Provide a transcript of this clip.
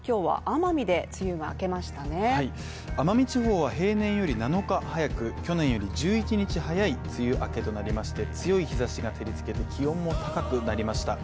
奄美地方は平年より７日早く去年より１１日早い梅雨明けとなりまして強い日差しが照りつけて気温も高くなりました。